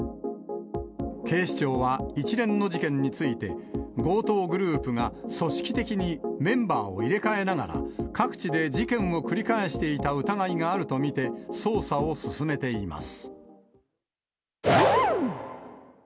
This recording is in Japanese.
警視庁は一連の事件について、強盗グループが組織的にメンバーを入れ替えながら、各地で事件を繰り返していた疑いがあると見て捜査を進めています。